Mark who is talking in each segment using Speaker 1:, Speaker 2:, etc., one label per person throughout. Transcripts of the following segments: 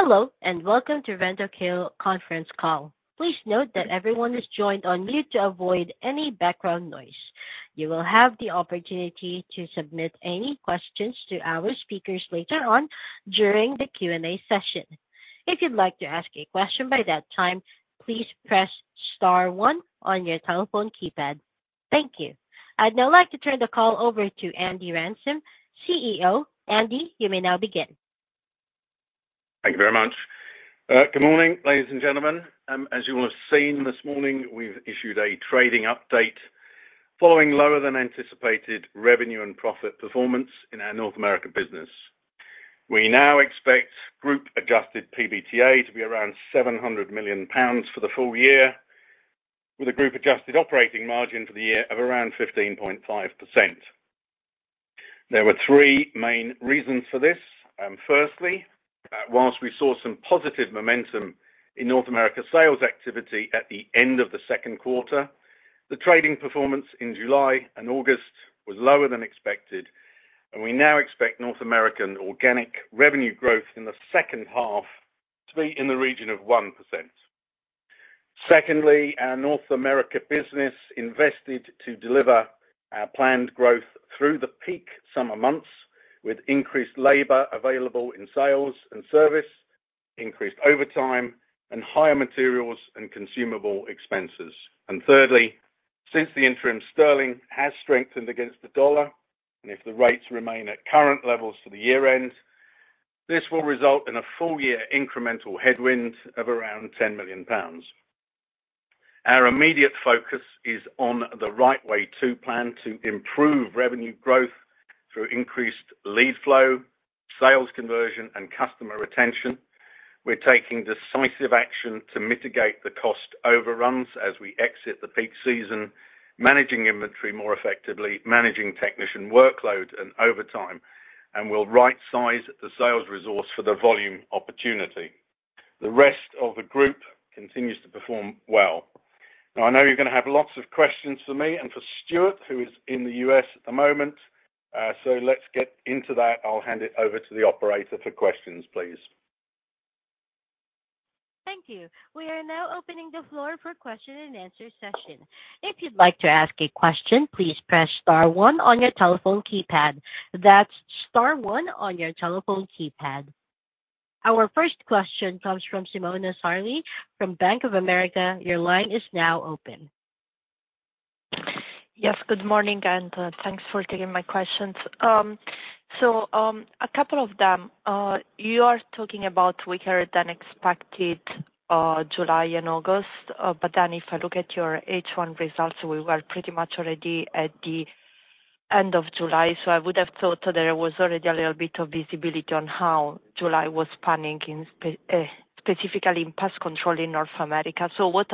Speaker 1: Hello, and welcome to Rentokil conference call. Please note that everyone is joined on mute to avoid any background noise. You will have the opportunity to submit any questions to our speakers later on during the Q&A session. If you'd like to ask a question by that time, please press star one on your telephone keypad. Thank you. I'd now like to turn the call over to Andy Ransom, CEO. Andy, you may now begin.
Speaker 2: Thank you very much. Good morning, ladies and gentlemen. As you will have seen this morning, we've issued a trading update following lower than anticipated revenue and profit performance in our North America business. We now expect group adjusted PBTA to be around 700 million pounds for the full year, with a group adjusted operating margin for the year of around 15.5%. There were three main reasons for this. Firstly, whilst we saw some positive momentum in North America sales activity at the end of the second quarter, the trading performance in July and August was lower than expected, and we now expect North American organic revenue growth in the second half to be in the region of 1%. Secondly, our North America business invested to deliver our planned growth through the peak summer months, with increased labor available in sales and service, increased overtime, and higher materials and consumable expenses. And thirdly, since the interim sterling has strengthened against the dollar, and if the rates remain at current levels to the year end, this will result in a full year incremental headwind of around 10 million pounds. Our immediate focus is on the Right Way 2 plan to improve revenue growth through increased lead flow, sales conversion, and customer retention. We're taking decisive action to mitigate the cost overruns as we exit the peak season, managing inventory more effectively, managing technician workload and overtime, and we'll rightsize the sales resource for the volume opportunity. The rest of the group continues to perform well. Now, I know you're gonna have lots of questions for me and for Stuart, who is in the U.S. at the moment. So let's get into that. I'll hand it over to the operator for questions, please.
Speaker 1: Thank you. We are now opening the floor for question and answer session. If you'd like to ask a question, please press star one on your telephone keypad. That's star one on your telephone keypad. Our first question comes from Simona Sarli from Bank of America. Your line is now open.
Speaker 3: Yes, good morning, and, thanks for taking my questions. So, a couple of them. You are talking about weaker than expected July and August. But then if I look at your H1 results, we were pretty much already at the end of July, so I would have thought that there was already a little bit of visibility on how July was planning in specifically in pest control in North America. So what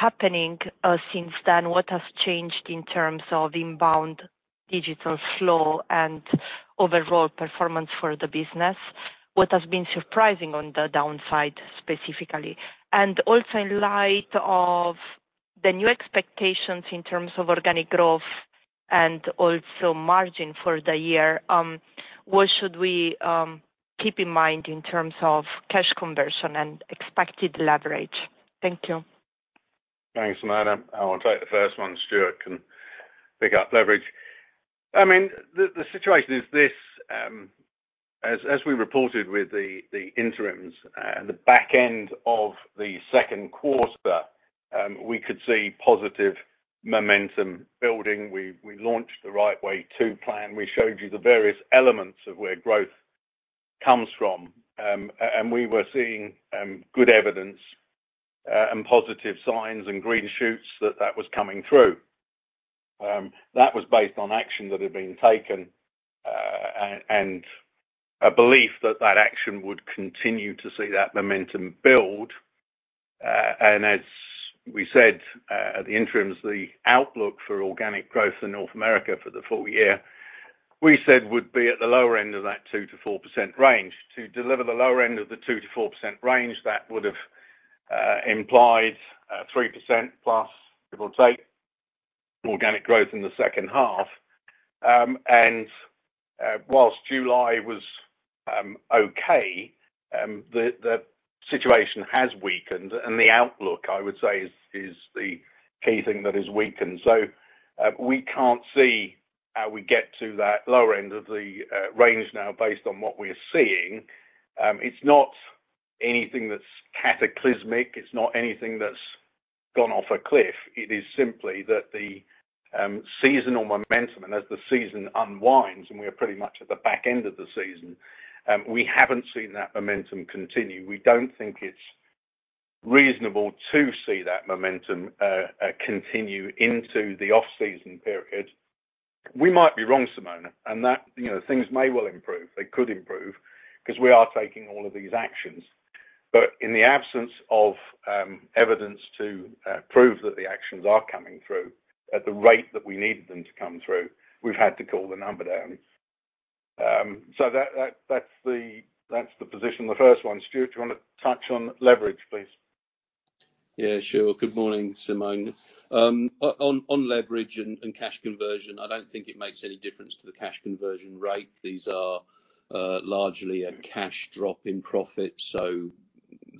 Speaker 3: has been happening since then? What has changed in terms of inbound digital flow and overall performance for the business? What has been surprising on the downside, specifically? And also in light of the new expectations in terms of organic growth and also margin for the year, what should we keep in mind in terms of cash conversion and expected leverage? Thank you.
Speaker 2: Thanks, Simona. I will take the first one, Stuart can pick up leverage. I mean, the situation is this, as we reported with the interims, the back end of the second quarter, we could see positive momentum building. We launched the Right Way to Plan. We showed you the various elements of where growth comes from. And we were seeing good evidence and positive signs and green shoots that that was coming through. That was based on action that had been taken and a belief that that action would continue to see that momentum build. And as we said at the interims, the outlook for organic growth in North America for the full year, we said would be at the lower end of that 2% to 4% range. To deliver the lower end of the 2% to 4% range, that would have implied 3%+, give or take, organic growth in the second half. While July was okay, the situation has weakened and the outlook, I would say, is the key thing that is weakened, so we can't see how we get to that lower end of the range now, based on what we're seeing. It's not anything that's cataclysmic. It's not anything that's gone off a cliff. It is simply that the seasonal momentum, and as the season unwinds, and we are pretty much at the back end of the season, we haven't seen that momentum continue. We don't think it's reasonable to see that momentum continue into the off-season period. We might be wrong, Simona, and that, you know, things may well improve. They could improve because we are taking all of these actions. But in the absence of evidence to prove that the actions are coming through at the rate that we need them to come through, we've had to call the number down. So that's the position, the first one. Stuart, do you wanna touch on leverage, please?
Speaker 4: Yeah, sure. Good morning, Simona. On leverage and cash conversion, I don't think it makes any difference to the cash conversion rate. These are largely a cash drop in profit, so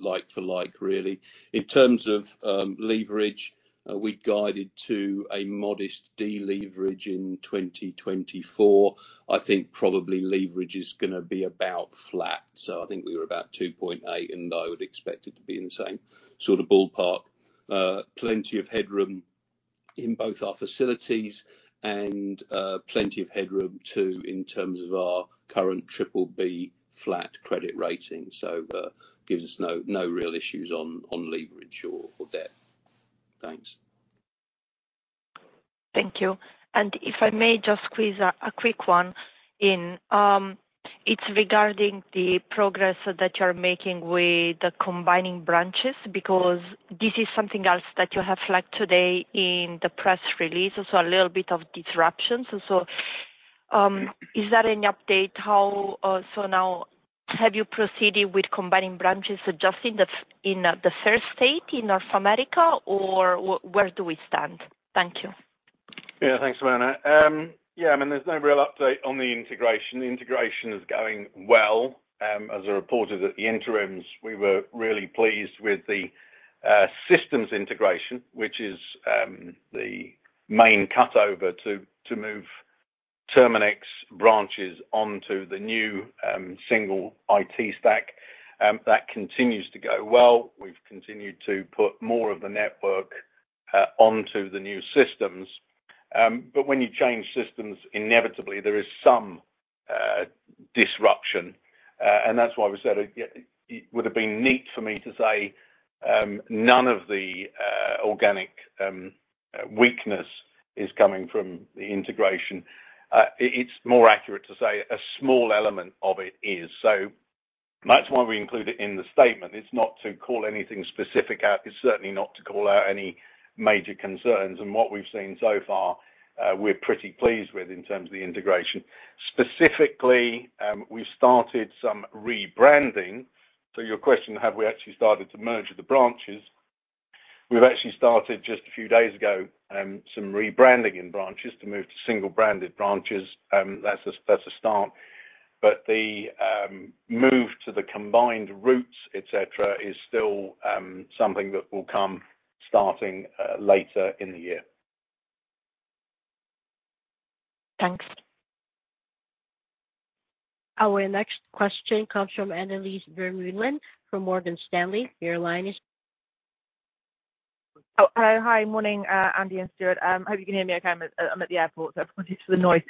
Speaker 4: like for like, really. In terms of leverage, we guided to a modest deleverage in 2024. I think probably leverage is gonna be about flat. So I think we were about %2.8, and I would expect it to be in the same sort of ballpark. Plenty of headroom in both our facilities and plenty of headroom, too, in terms of our current BBB flat credit rating. So that gives us no real issues on leverage or debt. Thanks.
Speaker 3: Thank you. And if I may just squeeze a quick one in, it's regarding the progress that you're making with the combining branches, because this is something else that you have flagged today in the press release. So a little bit of disruption. So, is there any update how so now have you proceeded with combining branches, just in the first in the first state in North America, or where do we stand? Thank you.
Speaker 2: Yeah, thanks, Simona. Yeah, I mean, there's no real update on the integration. The integration is going well. As I reported at the interims, we were really pleased with the systems integration, which is the main cut over to move Terminix branches onto the new single IT stack. That continues to go well. We've continued to put more of the network onto the new systems, but when you change systems, inevitably there is some disruption, and that's why we said it would have been neat for me to say none of the organic weakness is coming from the integration. It's more accurate to say a small element of it is, so that's why we include it in the statement. It's not to call anything specific out, it's certainly not to call out any major concerns. And what we've seen so far, we're pretty pleased with in terms of the integration. Specifically, we've started some rebranding. So your question, have we actually started to merge the branches? We've actually started just a few days ago, some rebranding in branches to move to single branded branches. That's a, that's a start. But the move to the combined routes, et cetera, is still something that will come starting later in the year.
Speaker 3: Thanks.
Speaker 1: Our next question comes from Annelies Vermeulen from Morgan Stanley. Your line is-
Speaker 5: Oh, hello. Hi, morning, Andy and Stuart. Hope you can hear me okay. I'm at the airport, so apologies for the noise.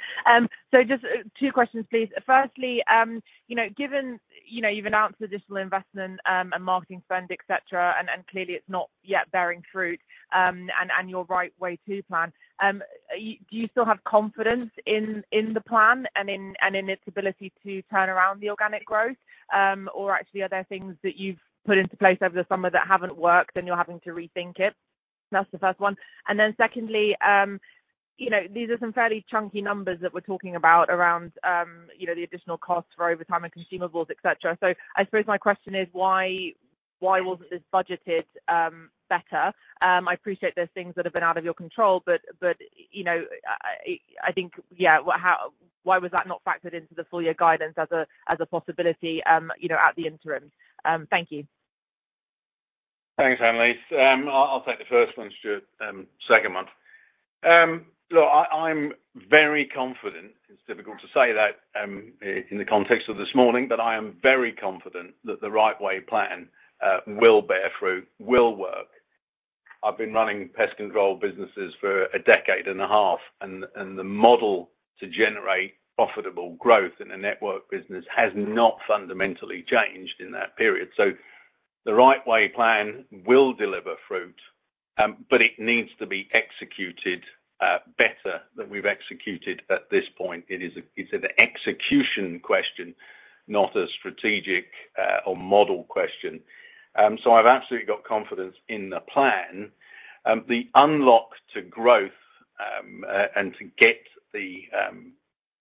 Speaker 5: So just two questions, please. Firstly, you know, given, you know, you've announced additional investment and marketing spend, etc, and clearly it's not yet bearing fruit, and your right way to plan. Do you still have confidence in the plan and in its ability to turn around the organic growth? Or actually, are there things that you've put into place over the summer that haven't worked, and you're having to rethink it? That's the first one. Then secondly, you know, these are some fairly chunky numbers that we're talking about around, you know, the additional costs for overtime and consumables, etc. So I suppose my question is: Why wasn't this budgeted better? I appreciate there are things that have been out of your control, but you know, I think, yeah, why was that not factored into the full year guidance as a possibility, you know, at the interim? Thank you.
Speaker 2: Thanks, Annelies. I'll take the first one, Stuart, second one. Look, I'm very confident. It's difficult to say that in the context of this morning, but I am very confident that the Right Way plan will bear fruit, will work. I've been running pest control businesses for a decade and a half, and the model to generate profitable growth in a network business has not fundamentally changed in that period. So the Right Way plan will deliver fruit, but it needs to be executed better than we've executed at this point. It is an execution question, not a strategic or model question. So I've absolutely got confidence in the plan. The unlock to growth, and to get the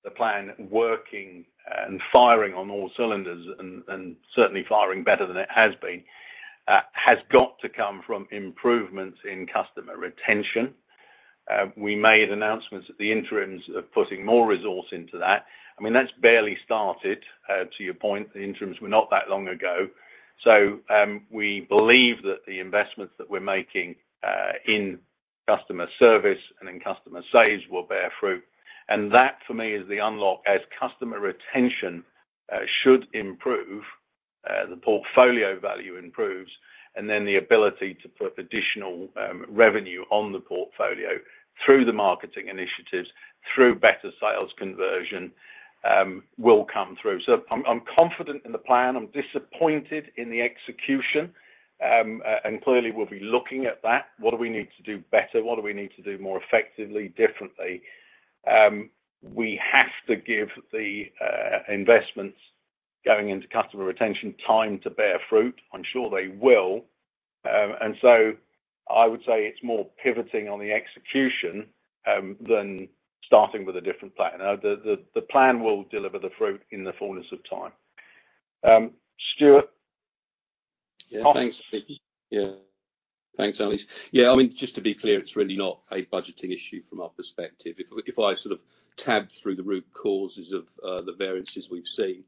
Speaker 2: plan working and firing on all cylinders and certainly firing better than it has been, has got to come from improvements in customer retention. We made announcements at the interims of putting more resource into that. I mean, that's barely started. To your point, the interims were not that long ago. So, we believe that the investments that we're making in customer service and in customer sales will bear fruit. And that, for me, is the unlock. As customer retention should improve, the portfolio value improves, and then the ability to put additional revenue on the portfolio through the marketing initiatives, through better sales conversion, will come through. So I'm confident in the plan. I'm disappointed in the execution. And clearly, we'll be looking at that. What do we need to do better? What do we need to do more effectively, differently? We have to give the investments going into customer retention time to bear fruit. I'm sure they will. And so I would say it's more pivoting on the execution than starting with a different plan. Now, the plan will deliver the fruit in the fullness of time.... Stuart?
Speaker 4: Yeah, thanks, yeah. Thanks, Annelies. Yeah, I mean, just to be clear, it's really not a budgeting issue from our perspective. If I sort of tab through the root causes of the variances we've seen,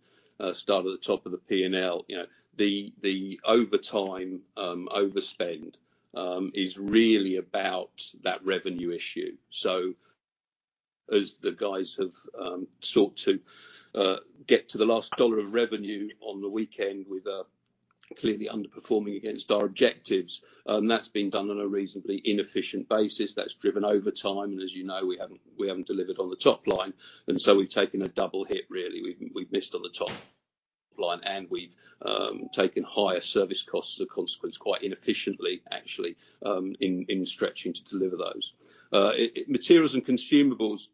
Speaker 4: start at the top of the P&L, you know, the overtime overspend is really about that revenue issue. So as the guys have sought to get to the last dollar of revenue on the weekend with clearly underperforming against our objectives, and that's been done on a reasonably inefficient basis. That's driven overtime, and as you know, we haven't delivered on the top line, and so we've taken a double hit really. We've missed on the top line, and we've taken higher service costs as a consequence, quite inefficiently, actually, in stretching to deliver those. Materials and consumables,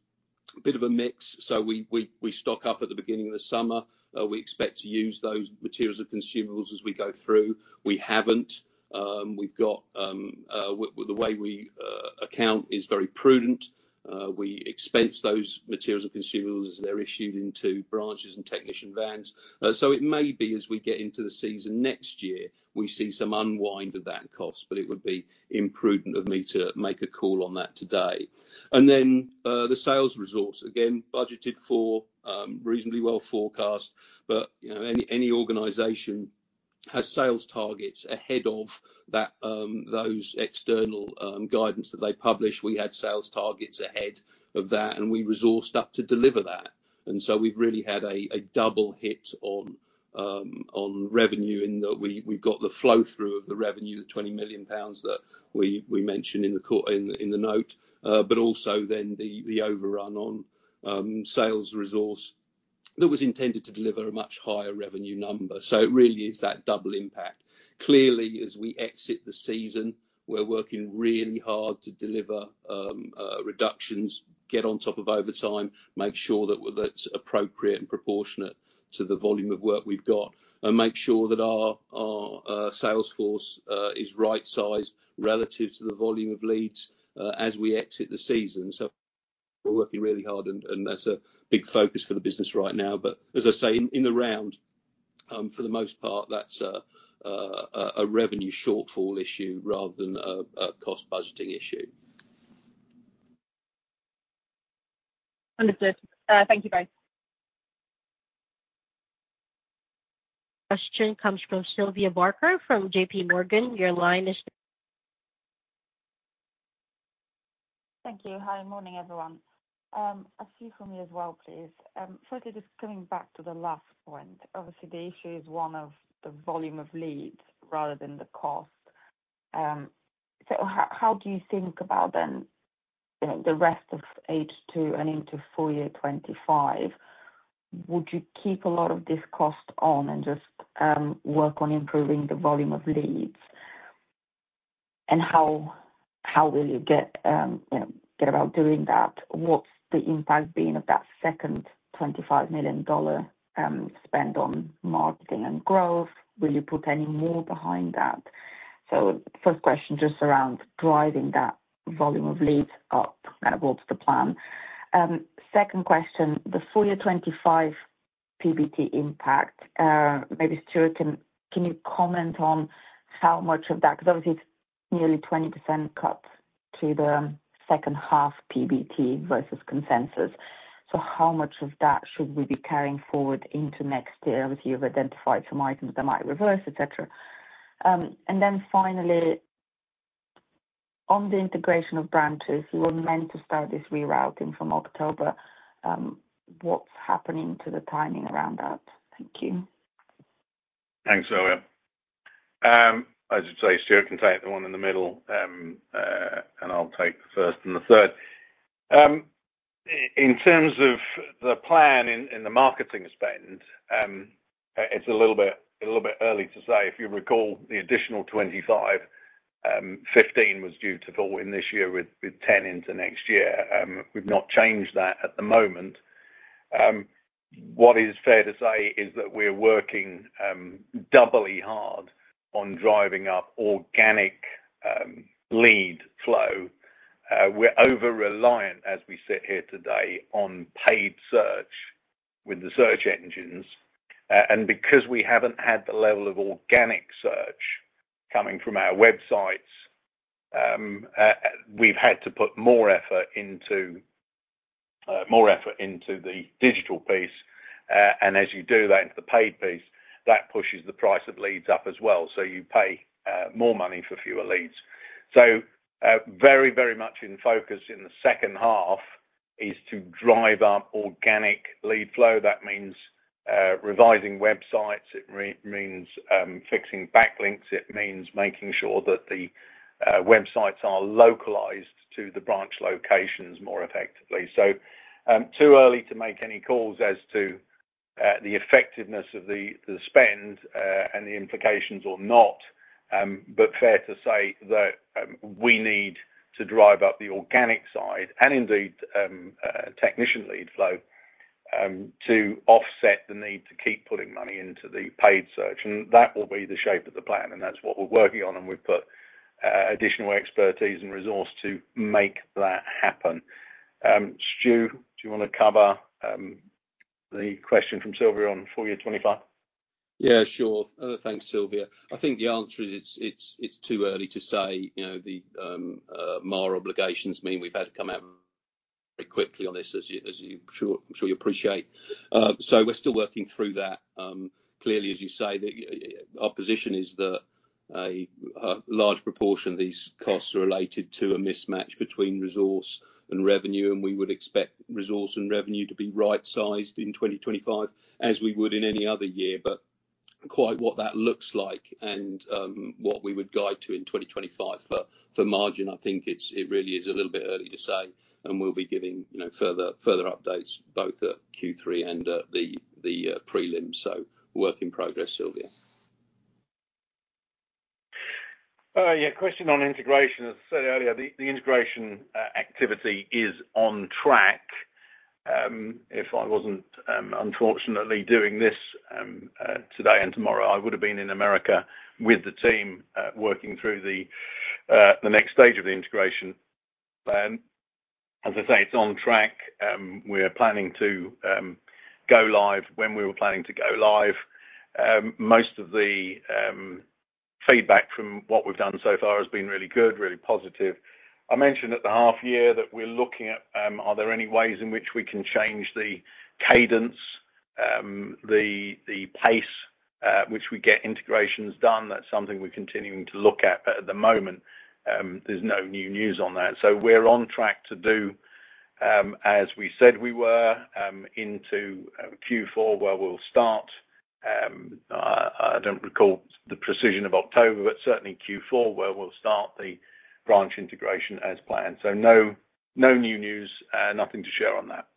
Speaker 4: bit of a mix, so we stock up at the beginning of the summer. We expect to use those materials and consumables as we go through. We haven't. We've got the way we account is very prudent. We expense those materials and consumables as they're issued into branches and technician vans. So it may be, as we get into the season next year, we see some unwind of that cost, but it would be imprudent of me to make a call on that today. And then, the sales resource, again, budgeted for, reasonably well forecast, but, you know, any organization has sales targets ahead of that, those external guidance that they publish. We had sales targets ahead of that, and we resourced up to deliver that. And so we've really had a double hit on revenue in that we've got the flow through of the revenue, the 20 million pounds that we mentioned in the note, but also then the overrun on sales resource that was intended to deliver a much higher revenue number. So it really is that double impact. Clearly, as we exit the season, we're working really hard to deliver reductions, get on top of overtime, make sure that that's appropriate and proportionate to the volume of work we've got, and make sure that our sales force is right-sized relative to the volume of leads as we exit the season. So we're working really hard, and that's a big focus for the business right now. But as I say, in the round, for the most part, that's a revenue shortfall issue rather than a cost budgeting issue.
Speaker 5: Understood. Thank you, guys.
Speaker 1: Question comes from Sylvia Barker from JPMorgan. Your line is-
Speaker 6: Thank you. Hi, morning, everyone. A few for me as well, please. First, just coming back to the last point, obviously, the issue is one of the volume of leads rather than the cost. So how do you think about then, you know, the rest of H2 and into full year 2025? Would you keep a lot of this cost on and just, work on improving the volume of leads? And how will you get, you know, get about doing that? What's the impact been of that second $25 million spend on marketing and growth? Will you put any more behind that? So first question, just around driving that volume of leads up, kind of, what's the plan? Second question, the full year 2025 PBT impact, maybe, Stuart, can you comment on how much of that, 'cause obviously it's nearly 20% cut to the second half PBT versus consensus. So how much of that should we be carrying forward into next year? Obviously, you've identified some items that might reverse, et cetera. And then finally, on the integration of branches, you were meant to start this rerouting from October. What's happening to the timing around that? Thank you.
Speaker 2: Thanks, Sylvia. I should say, Stuart can take the one in the middle, and I'll take the first and the third. In terms of the plan in the marketing spend, it's a little bit early to say. If you recall, the additional 25, 15 was due to fall in this year, with 10 into next year. We've not changed that at the moment. What is fair to say is that we're working doubly hard on driving up organic lead flow. We're over-reliant, as we sit here today, on paid search with the search engines. Because we haven't had the level of organic search coming from our websites, we've had to put more effort into the digital piece, and as you do that, into the paid search, that pushes the price of leads up as well, so you pay more money for fewer leads. So, very, very much in focus in the second half is to drive up organic lead flow. That means revising websites. It means fixing back links. It means making sure that the websites are localized to the branch locations more effectively. So, too early to make any calls as to the effectiveness of the spend and the implications or not, but fair to say that we need to drive up the organic side and indeed technician lead flow to offset the need to keep putting money into the paid search. And that will be the shape of the plan, and that's what we're working on, and we've put additional expertise and resource to make that happen. Stu, do you want to cover the question from Sylvia on full year 2025?
Speaker 4: Yeah, sure. Thanks, Sylvia. I think the answer is it's too early to say, you know, the MAR obligations mean we've had to come out very quickly on this, as you I'm sure you appreciate. So we're still working through that. Clearly, as you say, our position is that a large proportion of these costs are related to a mismatch between resource and revenue, and we would expect resource and revenue to be right-sized in 2025, as we would in any other year. But quite what that looks like and what we would guide to in 2025 for margin, I think it really is a little bit early to say, and we'll be giving you know further updates both at Q3 and at the prelim. So work in progress, Sylvia.
Speaker 2: Yeah, question on integration. As I said earlier, the integration activity is on track. If I wasn't unfortunately doing this today and tomorrow, I would have been in America with the team, working through the next stage of the integration. As I say, it's on track. We're planning to go live when we were planning to go live. Most of the feedback from what we've done so far has been really good, really positive. I mentioned at the half year that we're looking at are there any ways in which we can change the cadence, the pace at which we get integrations done? That's something we're continuing to look at, but at the moment, there's no new news on that. So we're on track to do, as we said, we were into Q4, where we'll start. I don't recall the precision of October, but certainly Q4, where we'll start the branch integration as planned. So no, no new news, nothing to share on that.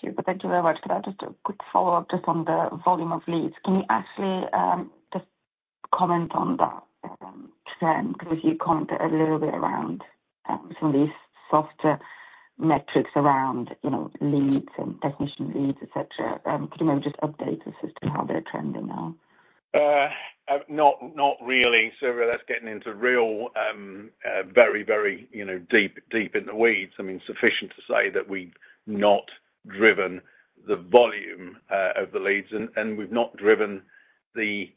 Speaker 6: Super. Thank you very much for that. Just a quick follow-up, just on the volume of leads. Can you actually, just comment on that, trend? Because you commented a little bit around, some of these softer metrics around, you know, leads and technician leads, et cetera. Can you just update us as to how they're trending now?
Speaker 2: Not, not really, Sylvia. That's getting into real, very, very, you know, deep, deep in the weeds. I mean, sufficient to say that we've not driven the volume of the leads, and, and we've not driven the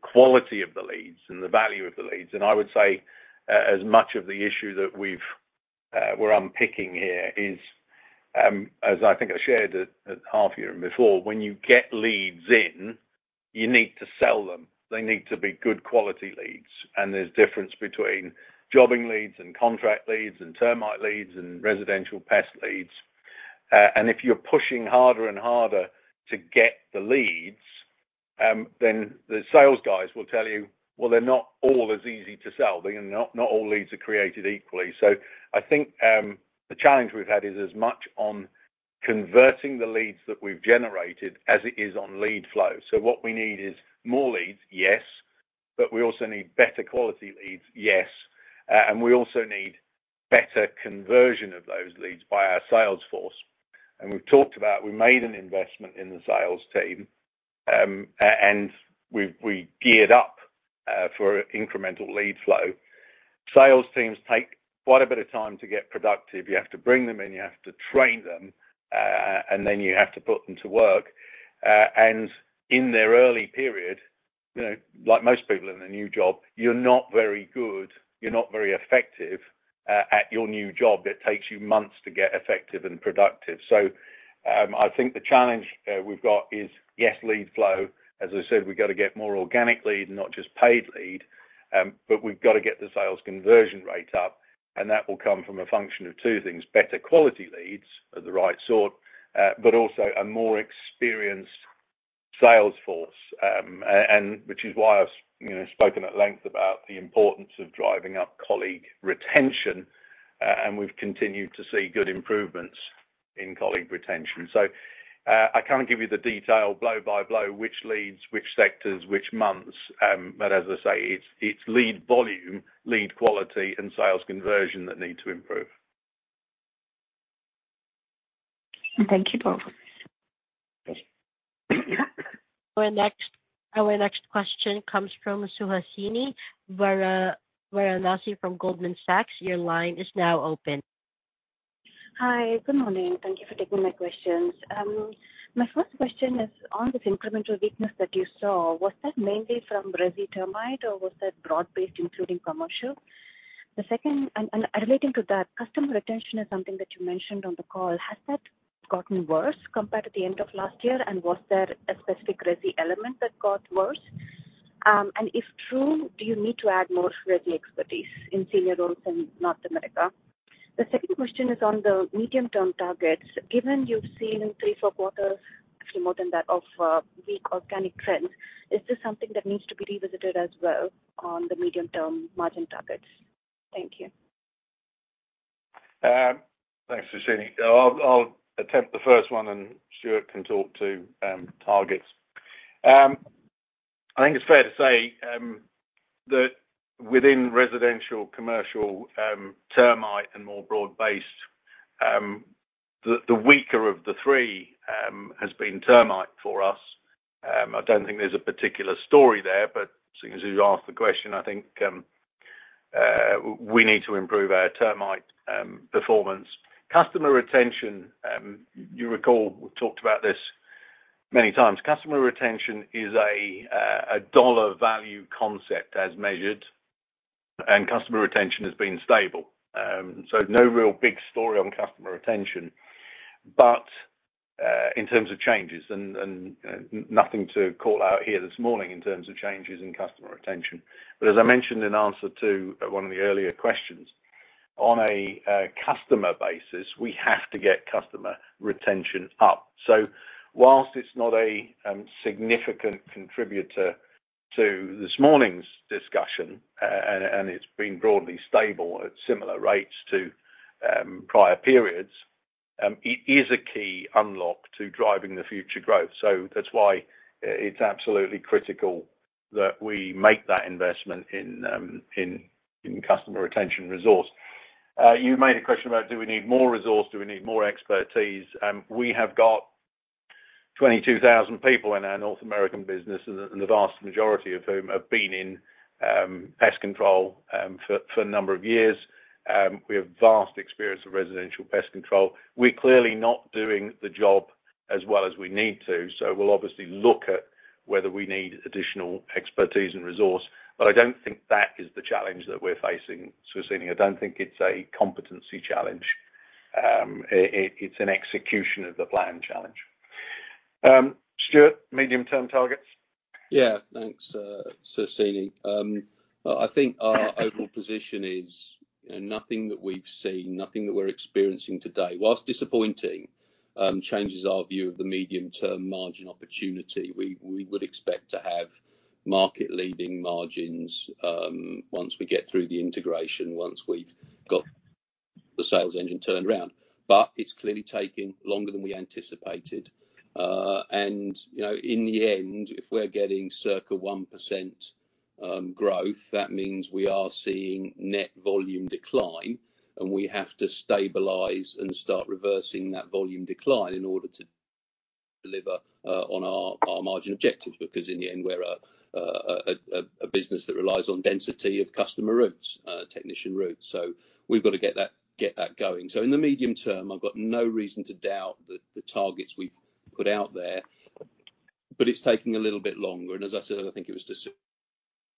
Speaker 2: quality of the leads and the value of the leads. And I would say as much of the issue that we've, we're unpicking here is, as I think I shared at half year and before, when you get leads in, you need to sell them. They need to be good quality leads, and there's difference between jobbing leads and contract leads, and termite leads, and residential pest leads. And if you're pushing harder and harder to get the leads, then the sales guys will tell you, "Well, they're not all as easy to sell." They're not, not all leads are created equally. So I think the challenge we've had is as much on converting the leads that we've generated as it is on lead flow. So what we need is more leads, yes, but we also need better quality leads, yes, and we also need better conversion of those leads by our sales force. And we've talked about. We made an investment in the sales team and we geared up for incremental lead flow. Sales teams take quite a bit of time to get productive. You have to bring them in, you have to train them, and then you have to put them to work. And in their early period, you know, like most people in a new job, you're not very good, you're not very effective at your new job. It takes you months to get effective and productive. So, I think the challenge we've got is, yes, lead flow. As I said, we got to get more organic lead, not just paid lead, but we've got to get the sales conversion rate up, and that will come from a function of two things: better quality leads of the right sort, but also a more experienced sales force. And which is why I've, you know, spoken at length about the importance of driving up colleague retention, and we've continued to see good improvements in colleague retention. So, I can't give you the detail blow by blow, which leads, which sectors, which months, but as I say, it's lead volume, lead quality, and sales conversion that need to improve.
Speaker 6: Thank you both.
Speaker 2: Okay.
Speaker 1: Our next question comes from Suhasini Varanasi from Goldman Sachs. Your line is now open.
Speaker 7: Hi, good morning. Thank you for taking my questions. My first question is on this incremental weakness that you saw. Was that mainly from resi termite, or was that broad-based, including commercial? The second, and relating to that, customer retention is something that you mentioned on the call. Has that gotten worse compared to the end of last year? And was there a specific resi element that got worse? And if true, do you need to add more resi expertise in senior roles in North America? The second question is on the medium-term targets. Given you've seen three, four quarters, actually more than that, of weak organic trends, is this something that needs to be revisited as well on the medium-term margin targets? Thank you.
Speaker 2: Thanks, Suhasini. I'll attempt the first one, and Stuart can talk to targets. I think it's fair to say that within residential, commercial, termite and more broad-based, the weaker of the three has been termite for us. I don't think there's a particular story there, but since you've asked the question, I think we need to improve our termite performance. Customer retention, you recall, we've talked about this many times. Customer retention is a dollar value concept as measured, and customer retention has been stable. So no real big story on customer retention, but in terms of changes and nothing to call out here this morning in terms of changes in customer retention. But as I mentioned in answer to one of the earlier questions, on a customer basis, we have to get customer retention up. So while it's not a significant contributor to this morning's discussion, and it's been broadly stable at similar rates to prior periods, it is a key unlock to driving the future growth. So that's why it's absolutely critical that we make that investment in customer retention resource. You made a question about, do we need more resource? Do we need more expertise? We have got 22,000 people in our North American business, and the vast majority of whom have been in pest control for a number of years. We have vast experience of residential pest control. We're clearly not doing the job as well as we need to, so we'll obviously look at whether we need additional expertise and resource, but I don't think that is the challenge that we're facing, Suhasini. I don't think it's a competency challenge. It's an execution of the plan challenge. Stuart, medium-term targets?
Speaker 4: Yeah, thanks, Suhasini. I think our overall position is, nothing that we've seen, nothing that we're experiencing today, while disappointing, changes our view of the medium-term margin opportunity. We would expect to have market-leading margins, once we get through the integration, once we've got the sales engine turned around. But it's clearly taking longer than we anticipated. And, you know, in the end, if we're getting circa 1% growth, that means we are seeing net volume decline, and we have to stabilize and start reversing that volume decline in order to deliver on our margin objectives, because in the end, we're a business that relies on density of customer routes, technician routes. So we've got to get that going. So in the medium term, I've got no reason to doubt the targets we've put out there, but it's taking a little bit longer. And as I said, I think it was to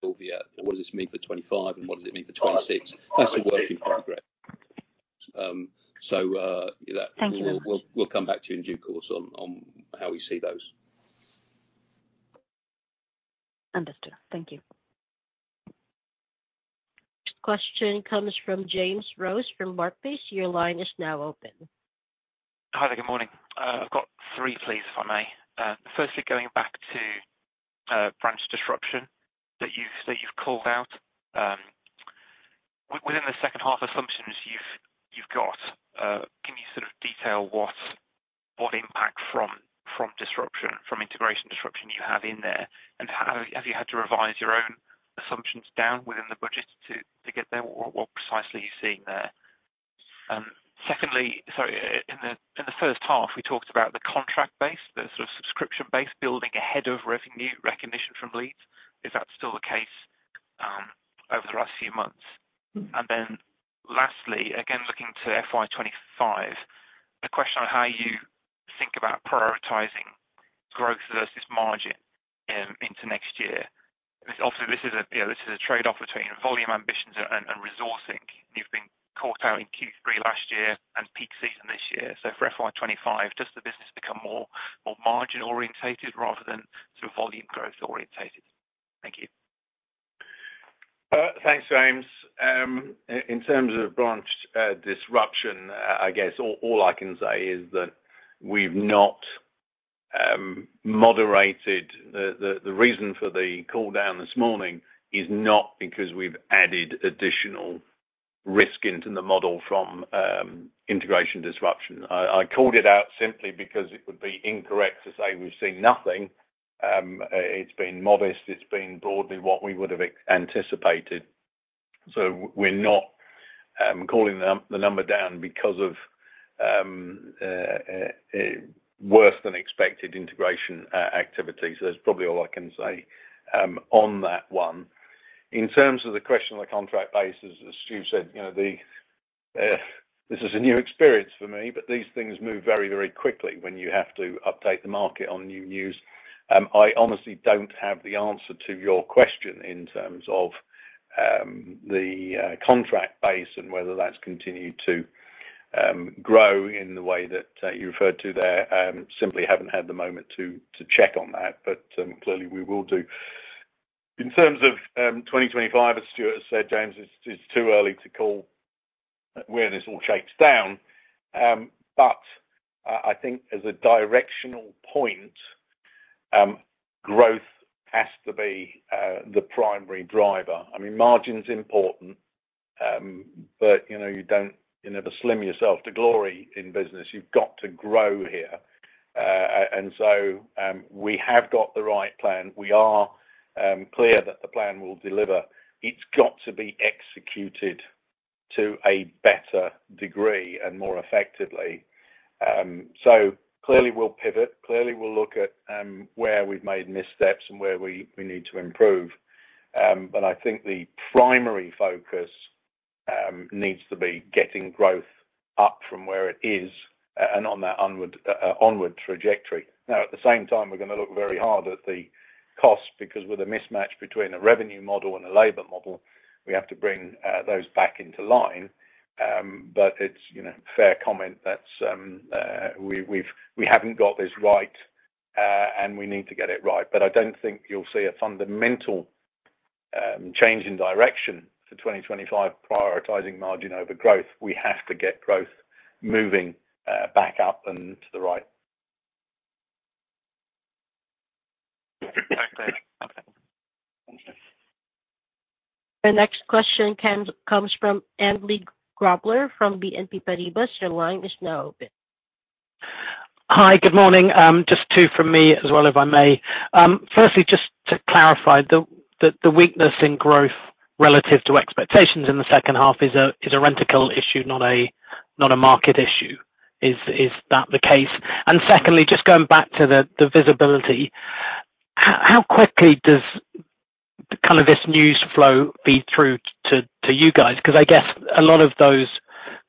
Speaker 4: Silvia, what does this mean for 2025, and what does it mean for 2026? That's a work in progress.
Speaker 7: Thank you very much.
Speaker 4: We'll come back to you in due course on how we see those.
Speaker 7: Understood. Thank you.
Speaker 1: Question comes from James Rose, from Barclays. Your line is now open.
Speaker 8: Hi, there. Good morning. I've got three, please, if I may. Firstly, going back to branch disruption that you've called out. Within the second half assumptions you've got, can you sort of detail what impact from disruption, from integration disruption you have in there? And have you had to revise your own assumptions down within the budget to get there? What precisely are you seeing there? Secondly, sorry, in the first half, we talked about the contract base, the sort of subscription base, building ahead of revenue recognition from leads. Is that still the case over the last few months? And then lastly, again, looking to FY 2025, a question on how you think about prioritizing growth versus margin into next year. Obviously, this is a, you know, this is a trade-off between volume ambitions and, and resourcing. You've been caught out in Q3 last year and peak season this year. So for FY 2025, does the business become more margin-oriented rather than sort of volume growth-oriented? Thank you.
Speaker 2: Thanks, James. In terms of branch disruption, I guess all I can say is that we've not moderated. The reason for the call down this morning is not because we've added additional risk into the model from integration disruption. I called it out simply because it would be incorrect to say we've seen nothing. It's been modest, it's been broadly what we would have anticipated. So we're not calling the number down because of worse than expected integration activities. That's probably all I can say on that one. In terms of the question on the contract basis, as Stuart said, you know, this is a new experience for me, but these things move very, very quickly when you have to update the market on new news. I honestly don't have the answer to your question in terms of the contract base and whether that's continued to grow in the way that you referred to there. Simply haven't had the moment to check on that, but clearly, we will do. In terms of 2025, as Stuart said, James, it's too early to call where this all shapes down. But I think as a directional point, growth has to be the primary driver. I mean, margin is important, but you know, you don't, you never slim yourself to glory in business. You've got to grow here. And so, we have got the right plan. We are clear that the plan will deliver. It's got to be executed well to a better degree and more effectively. So clearly, we'll pivot. Clearly, we'll look at where we've made missteps and where we need to improve. But I think the primary focus needs to be getting growth up from where it is and on that onward trajectory. Now, at the same time, we're gonna look very hard at the cost, because with a mismatch between a revenue model and a labor model, we have to bring those back into line. But it's, you know, fair comment that we haven't got this right, and we need to get it right. But I don't think you'll see a fundamental change in direction for 2025, prioritizing margin over growth. We have to get growth moving back up and to the right.
Speaker 8: Thanks, Andy.
Speaker 1: The next question comes from Andy Grobler from BNP Paribas. Your line is now open.
Speaker 9: Hi, good morning. Just two from me as well, if I may. Firstly, just to clarify, the weakness in growth relative to expectations in the second half is a Rentokil issue, not a market issue. Is that the case? And secondly, just going back to the visibility, how quickly does kind of this news flow feed through to you guys? Because I guess a lot of those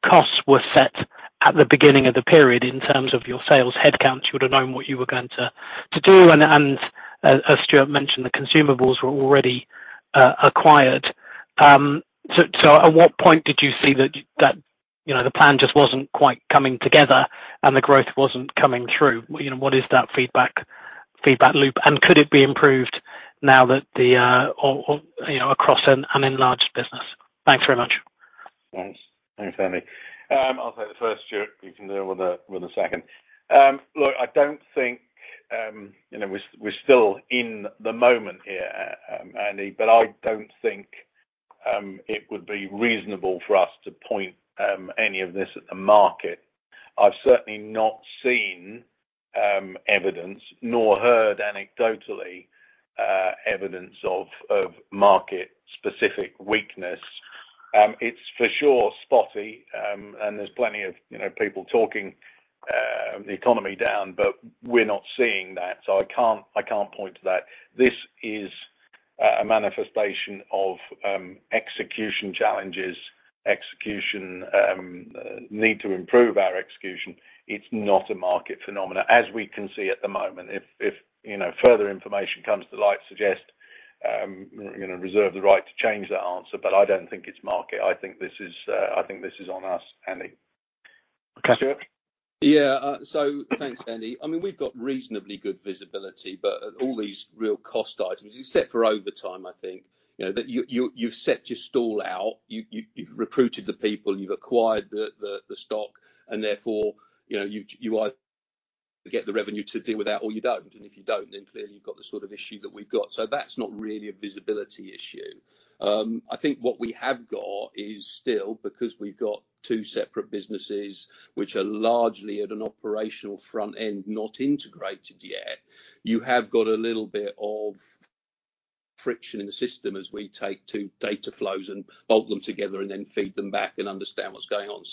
Speaker 9: costs were set at the beginning of the period in terms of your sales headcount. You would have known what you were going to do, and as Stuart mentioned, the consumables were already acquired. So at what point did you see that you know, the plan just wasn't quite coming together and the growth wasn't coming through? You know, what is that feedback, feedback loop, and could it be improved now that the you know, across an enlarged business? Thanks very much.
Speaker 2: Thanks. Thanks, Andy. I'll take the first, Stuart. You can deal with the second. Look, I don't think, you know, we're still in the moment here, Andy, but I don't think it would be reasonable for us to point any of this at the market. I've certainly not seen evidence, nor heard anecdotally, evidence of market-specific weakness. It's for sure spotty, and there's plenty of, you know, people talking the economy down, but we're not seeing that, so I can't point to that. This is a manifestation of execution challenges. We need to improve our execution. It's not a market phenomenon as we can see at the moment. If you know, further information comes to light, we're gonna reserve the right to change that answer, but I don't think it's market. I think this is on us, Andy.
Speaker 9: Okay.
Speaker 2: Stuart?
Speaker 4: Yeah, so thanks, Andy. I mean, we've got reasonably good visibility, but all these real cost items, except for over time, I think, you know, that you've set your stall out, you've recruited the people, you've acquired the stock, and therefore, you know, you either get the revenue to deal with that or you don't, and if you don't, then clearly you've got the sort of issue that we've got, so that's not really a visibility issue. I think what we have got is still, because we've got two separate businesses, which are largely at an operational front end, not integrated yet, you have got a little bit of friction in the system as we take two data flows and bolt them together and then feed them back and understand what's going on.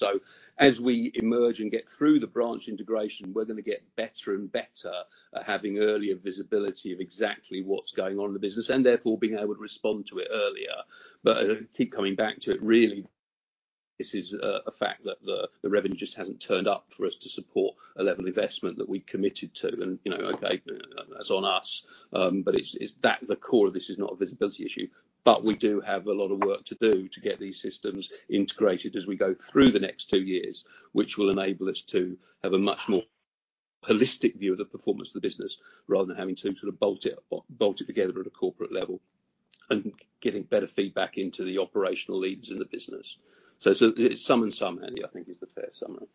Speaker 4: As we emerge and get through the branch integration, we're gonna get better and better at having earlier visibility of exactly what's going on in the business, and therefore being able to respond to it earlier. I keep coming back to it, really, this is a fact that the revenue just hasn't turned up for us to support a level of investment that we committed to. You know, okay, that's on us, but it's that, the core of this is not a visibility issue. But we do have a lot of work to do to get these systems integrated as we go through the next two years, which will enable us to have a much more holistic view of the performance of the business, rather than having to sort of bolt it together at a corporate level, and getting better feedback into the operational leads in the business. So, it's some and some, Andy, I think is the fair summary.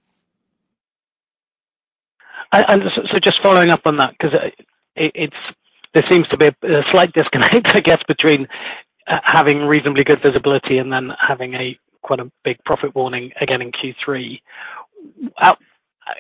Speaker 9: And so just following up on that, 'cause there seems to be a slight disconnect, I guess, between having reasonably good visibility and then having quite a big profit warning again in Q3. How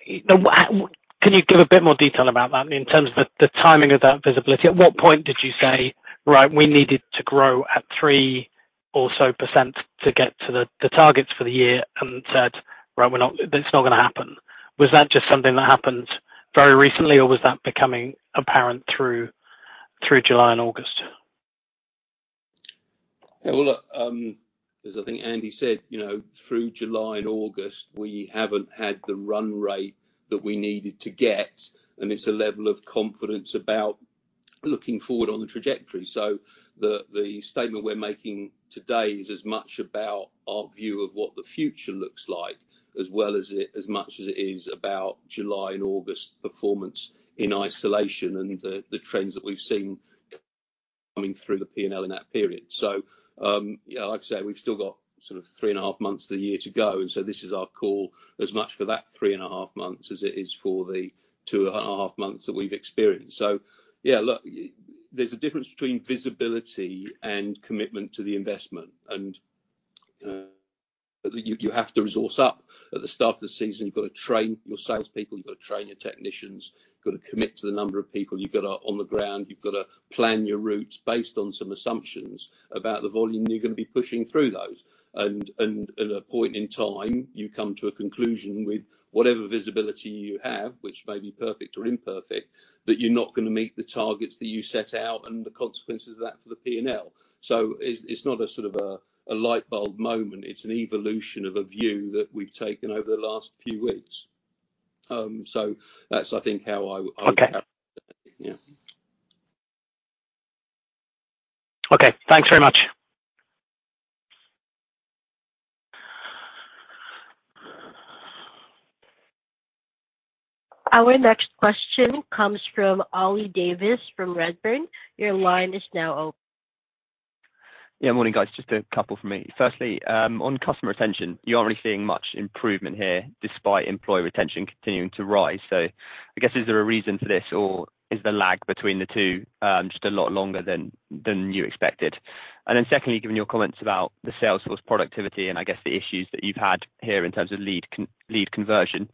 Speaker 9: can you give a bit more detail about that in terms of the timing of that visibility? At what point did you say, "Right, we needed to grow at 3% or so to get to the targets for the year," and said, "Well, we're not... It's not gonna happen"? Was that just something that happened very recently, or was that becoming apparent through July and August?
Speaker 4: Yeah, well, look, as I think Andy said, you know, through July and August, we haven't had the run rate that we needed to get, and it's a level of confidence about looking forward on the trajectory. So the statement we're making today is as much about our view of what the future looks like as well as it, as much as it is about July and August performance in isolation and the trends that we've seen coming through the P&L in that period. So, yeah, like I say, we've still got sort of three and a half months of the year to go, and so this is our call as much for that three and a half months as it is for the two and a half months that we've experienced. So yeah, look, there's a difference between visibility and commitment to the investment, and-...
Speaker 2: you have to resource up. At the start of the season, you've got to train your salespeople, you've got to train your technicians, you've got to commit to the number of people you've got on the ground. You've got to plan your routes based on some assumptions about the volume you're gonna be pushing through those. And at a point in time, you come to a conclusion with whatever visibility you have, which may be perfect or imperfect, that you're not gonna meet the targets that you set out and the consequences of that for the P&L. So it's not a sort of a light bulb moment. It's an evolution of a view that we've taken over the last few weeks. So that's, I think, how I
Speaker 9: Okay.
Speaker 2: Yeah.
Speaker 9: Okay, thanks very much.
Speaker 1: Our next question comes from Ollie Davies, from Redburn. Your line is now open.
Speaker 10: Yeah. Morning, guys. Just a couple from me. Firstly, on customer retention, you aren't really seeing much improvement here despite employee retention continuing to rise. So I guess, is there a reason for this, or is the lag between the two just a lot longer than you expected? And then secondly, given your comments about the sales force productivity, and I guess the issues that you've had here in terms of lead conversion,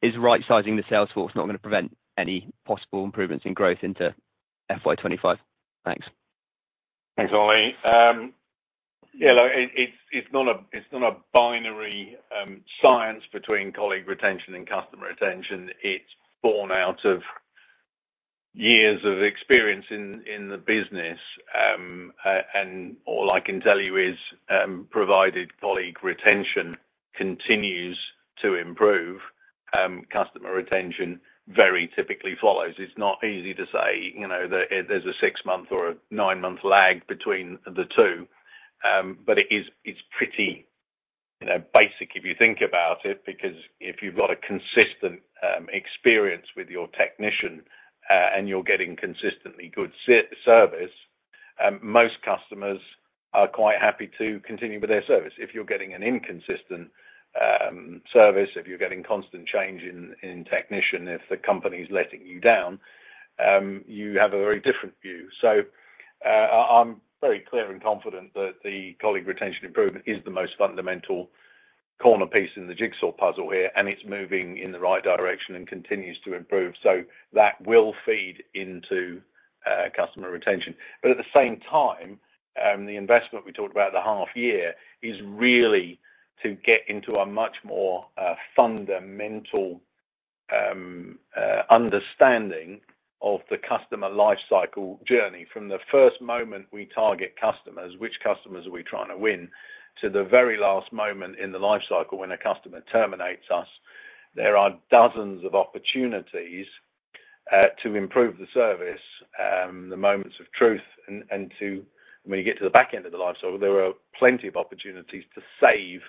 Speaker 10: is right-sizing the sales force not gonna prevent any possible improvements in growth into FY 2025? Thanks.
Speaker 2: Thanks, Ollie. Yeah, look, it's not a binary science between colleague retention and customer retention. It's born out of years of experience in the business. And all I can tell you is, provided colleague retention continues to improve, customer retention very typically follows. It's not easy to say, you know, there's a six-month or a nine-month lag between the two. But it is. It's pretty, you know, basic, if you think about it, because if you've got a consistent experience with your technician, and you're getting consistently good service, most customers are quite happy to continue with their service. If you're getting an inconsistent service, if you're getting constant change in technician, if the company's letting you down, you have a very different view. I'm very clear and confident that the colleague retention improvement is the most fundamental corner piece in the jigsaw puzzle here, and it's moving in the right direction and continues to improve. So that will feed into customer retention. But at the same time, the investment we talked about the half year is really to get into a much more fundamental understanding of the customer life cycle journey. From the first moment we target customers, which customers are we trying to win, to the very last moment in the life cycle when a customer terminates us, there are dozens of opportunities to improve the service, the moments of truth, and to... When you get to the back end of the life cycle, there are plenty of opportunities to save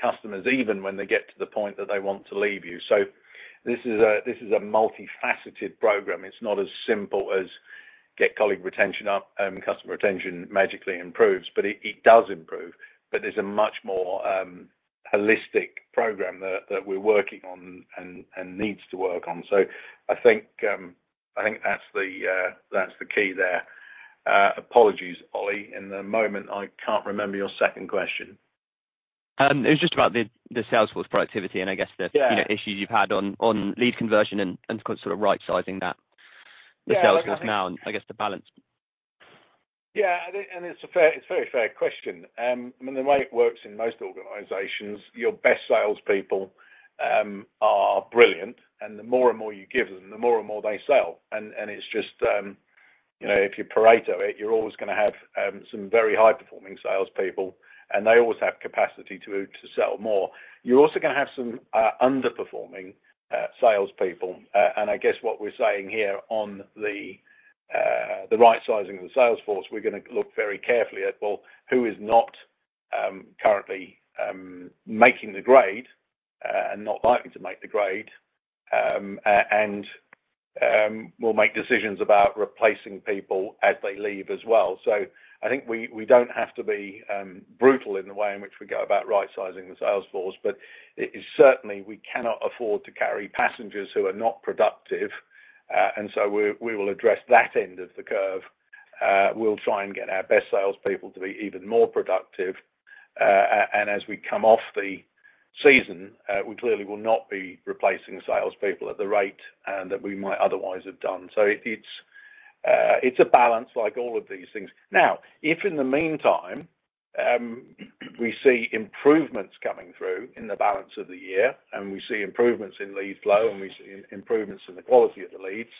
Speaker 2: customers, even when they get to the point that they want to leave you. So this is a multifaceted program. It's not as simple as get colleague retention up, customer retention magically improves, but it does improve. But there's a much more holistic program that we're working on and needs to work on. So I think that's the key there. Apologies, Ollie, in the moment, I can't remember your second question.
Speaker 10: It was just about the sales force productivity, and I guess the-
Speaker 2: Yeah...
Speaker 10: you know, issues you've had on lead conversion and sort of right-sizing that,
Speaker 2: Yeah
Speaker 10: the sales force now, and I guess the balance.
Speaker 2: Yeah, it's a very fair question. I mean, the way it works in most organizations, your best salespeople are brilliant, and the more and more you give them, the more and more they sell. And it's just, you know, if you Pareto it, you're always gonna have some very high-performing salespeople, and they always have capacity to sell more. You're also gonna have some underperforming salespeople. And I guess what we're saying here on the right-sizing of the sales force, we're gonna look very carefully at, well, who is not currently making the grade and not likely to make the grade, and we'll make decisions about replacing people as they leave as well. So I think we don't have to be brutal in the way in which we go about right-sizing the sales force, but it is certainly we cannot afford to carry passengers who are not productive. And so we will address that end of the curve. We'll try and get our best salespeople to be even more productive. And as we come off the season, we clearly will not be replacing salespeople at the rate that we might otherwise have done. So it's a balance like all of these things. Now, if in the meantime, we see improvements coming through in the balance of the year, and we see improvements in lead flow, and we see improvements in the quality of the leads,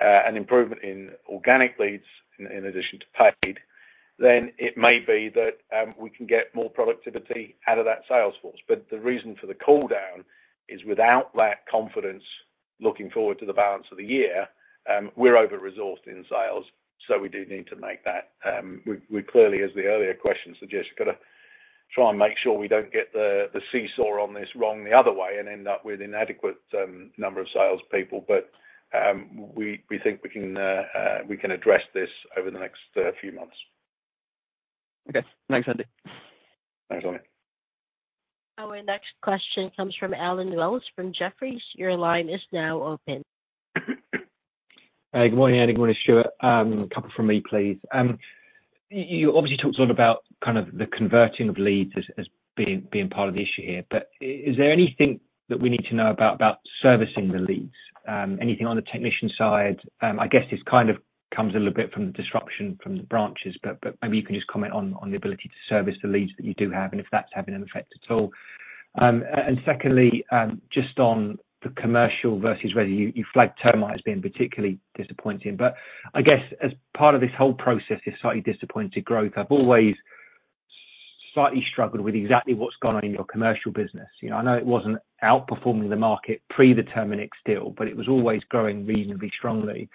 Speaker 2: and improvement in organic leads in addition to paid, then it may be that we can get more productivity out of that sales force, but the reason for the cool down is without that confidence, looking forward to the balance of the year, we're over-resourced in sales, so we do need to make that. We clearly, as the earlier question suggests, got to try and make sure we don't get the seesaw on this wrong the other way and end up with inadequate number of salespeople, but we think we can address this over the next few months.
Speaker 10: Okay. Thanks, Andy.
Speaker 2: Thanks, Ollie....
Speaker 1: Our next question comes from Allen Wells from Jefferies. Your line is now open.
Speaker 11: Hi, good morning, Alan. Good morning, Stuart. A couple from me, please. You obviously talked a lot about kind of the converting of leads as being part of the issue here, but is there anything that we need to know about servicing the leads? Anything on the technician side? I guess this kind of comes a little bit from the disruption from the branches, but maybe you can just comment on the ability to service the leads that you do have, and if that's having an effect at all. And secondly, just on the commercial versus whether you flagged termite as being particularly disappointing. But I guess as part of this whole process, you're slightly disappointed growth. I've always slightly struggled with exactly what's gone on in your commercial business. You know, I know it wasn't outperforming the market pre the Terminix deal, but it was always growing reasonably strongly.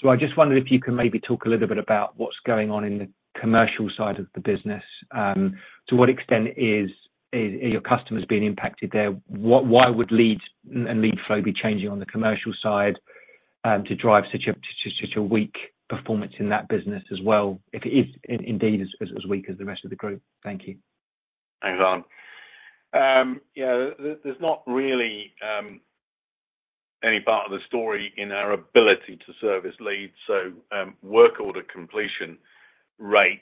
Speaker 11: So I just wondered if you could maybe talk a little bit about what's going on in the commercial side of the business. To what extent are your customers being impacted there? Why would leads and lead flow be changing on the commercial side to drive such a weak performance in that business as well, if it is indeed as weak as the rest of the group? Thank you.
Speaker 2: Thanks, Allen. Yeah, there's not really any part of the story in our ability to service leads, so work order completion rate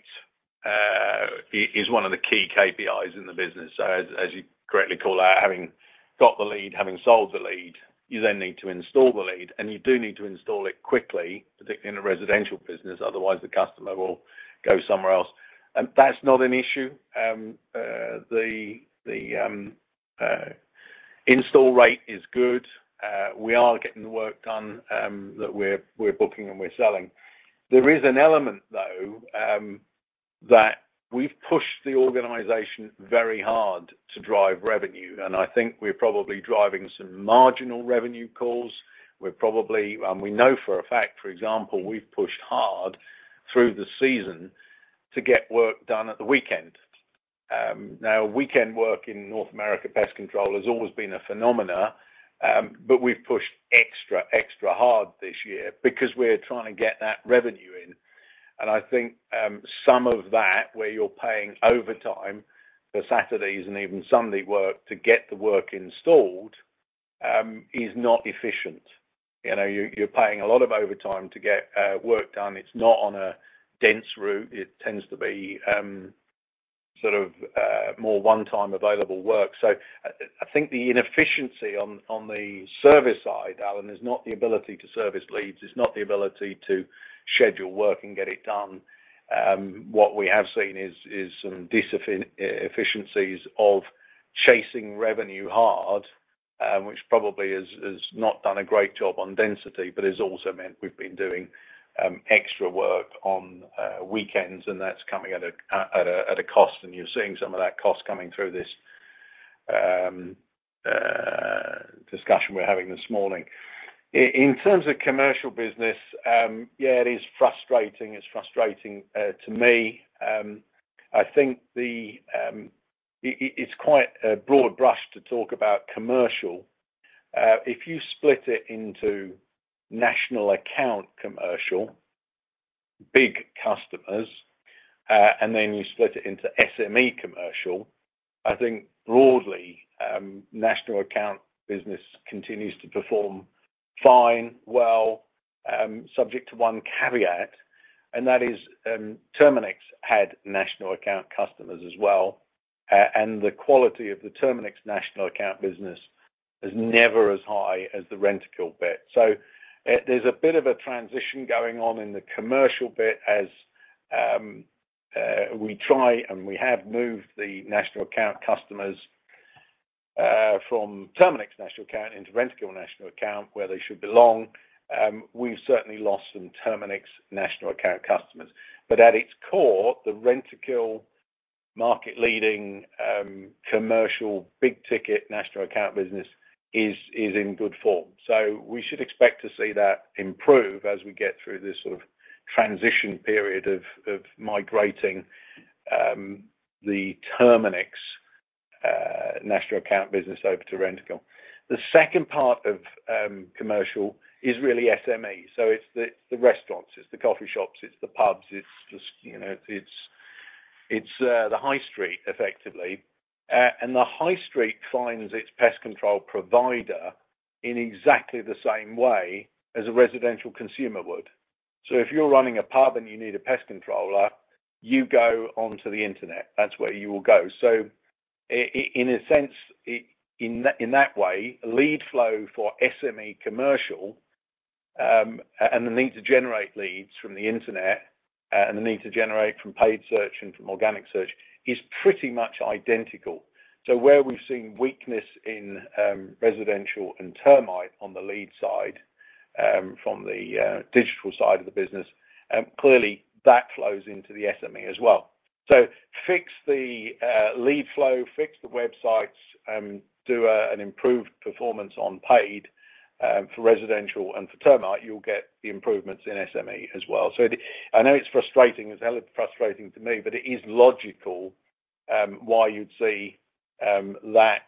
Speaker 2: is one of the key KPIs in the business. So as you correctly call out, having got the lead, having sold the lead, you then need to install the lead, and you do need to install it quickly, particularly in a residential business, otherwise the customer will go somewhere else, and that's not an issue. The install rate is good. We are getting the work done that we're booking and we're selling. There is an element, though, that we've pushed the organization very hard to drive revenue, and I think we're probably driving some marginal revenue calls. We're probably, and we know for a fact, for example, we've pushed hard through the season to get work done at the weekend. Now, weekend work in North America pest control has always been a phenomenon, but we've pushed extra, extra hard this year because we're trying to get that revenue in. And I think, some of that, where you're paying overtime for Saturdays and even Sunday work to get the work installed, is not efficient. You know, you're paying a lot of overtime to get work done. It's not on a dense route. It tends to be, sort of, more one-time available work. So I think the inefficiency on the service side, Alan, is not the ability to service leads, it's not the ability to schedule work and get it done. What we have seen is some inefficiencies of chasing revenue hard, which probably has not done a great job on density, but has also meant we've been doing extra work on weekends, and that's coming at a cost, and you're seeing some of that cost coming through this discussion we're having this morning. In terms of commercial business, yeah, it is frustrating. It's frustrating to me. I think the, it's quite a broad brush to talk about commercial. If you split it into national account commercial, big customers, and then you split it into SME commercial, I think broadly, national account business continues to perform fine, well, subject to one caveat, and that is, Terminix had national account customers as well, and the quality of the Terminix national account business is never as high as the Rentokil bit. So there's a bit of a transition going on in the commercial bit as we try, and we have moved the national account customers from Terminix national account into Rentokil national account, where they should belong. We've certainly lost some Terminix national account customers. But at its core, the Rentokil market-leading commercial, big-ticket national account business is in good form. So we should expect to see that improve as we get through this sort of transition period of migrating the Terminix national account business over to Rentokil. The second part of commercial is really SME. So it's the restaurants, it's the coffee shops, it's the pubs, it's just, you know, it's the high street, effectively. And the high street finds its pest control provider in exactly the same way as a residential consumer would. So if you're running a pub and you need a pest controller, you go onto the internet, that's where you will go. So in a sense, in that way, lead flow for SME commercial and the need to generate leads from the internet and the need to generate from paid search and from organic search is pretty much identical. So where we've seen weakness in residential and termite on the lead side, from the digital side of the business, clearly that flows into the SME as well. So fix the lead flow, fix the websites, do an improved performance on paid for residential and for termite, you'll get the improvements in SME as well. So I know it's frustrating, it's hell of frustrating to me, but it is logical why you'd see that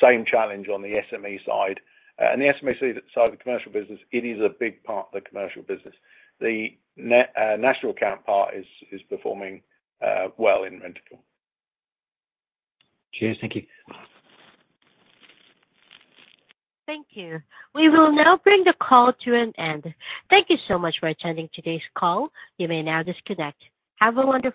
Speaker 2: same challenge on the SME side, and the SME side of the commercial business, it is a big part of the commercial business. The national account part is performing well in Rentokil.
Speaker 11: Cheers. Thank you.
Speaker 1: Thank you. We will now bring the call to an end. Thank you so much for attending today's call. You may now disconnect. Have a wonderful-